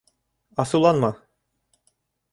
Асыуланма.